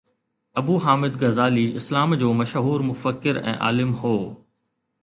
ابو حامد غزالي اسلام جو مشهور مفڪر ۽ عالم هو